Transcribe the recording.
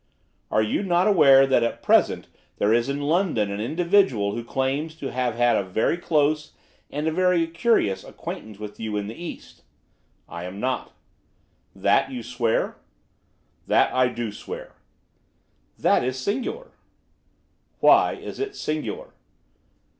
'Are you not aware that at present there is in London an individual who claims to have had a very close, and a very curious, acquaintance with you in the East?' 'I am not.' 'That you swear?' 'That I do swear.' 'That is singular.' 'Why is it singular?